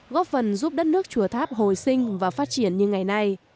góp phần giúp đất nước chùa tháp hồi sinh và phát triển như ngày nay